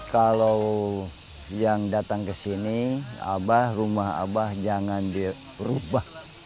kalau yang datang ke sini abah rumah abah jangan dirubah